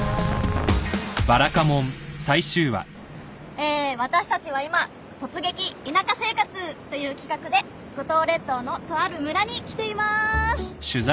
え私たちは今「突撃！田舎生活！」という企画で五島列島のとある村に来ています！